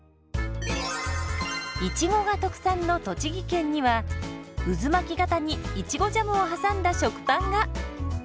いちごが特産の栃木県には渦巻き型にいちごジャムを挟んだ食パンが！